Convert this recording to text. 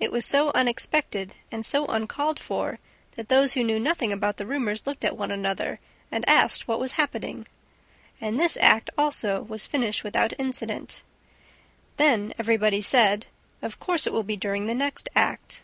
It was so unexpected and so uncalled for that those who knew nothing about the rumors looked at one another and asked what was happening. And this act also was finished without incident. Then everybody said: "Of course, it will be during the next act."